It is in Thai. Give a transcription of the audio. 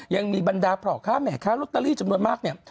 ยังมีบรรดาพ่อค้าแม่ค้าลอตเตอรี่จำนวนมากเนี่ย